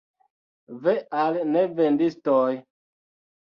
Ve al nevendistoj!